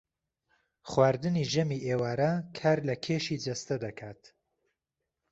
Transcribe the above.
خواردنی ژەمی ئێوارە کار لە کێشی جەستە دەکات